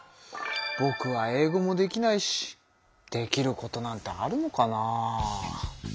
ぼくは英語もできないしできることなんてあるのかな。